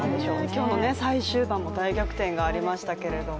今日の最終盤も大逆転がありましたけれども。